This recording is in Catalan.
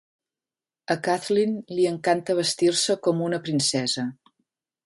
A Kathleen li encanta vestir-se com una princesa.